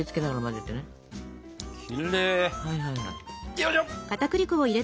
よいしょ！